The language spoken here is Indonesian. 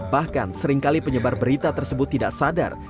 bahkan seringkali penyebar berita tersebut tidak sadar